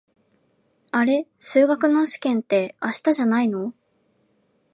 あれ、数学の試験って明日じゃないの？